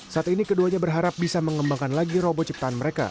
saat ini keduanya berharap bisa mengembangkan lagi robo ciptaan mereka